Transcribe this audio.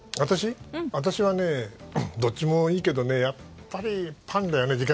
私はね、どっちもいいけどねやっぱりパンだよね